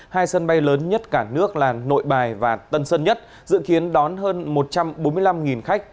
hai sân bay lớn nhất cả nước là nội bài và tân sơn nhất dự kiến đón hơn một trăm bốn mươi năm khách